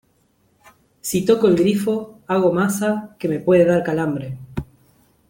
si toco el grifo, hago masa , que me puede dar calambre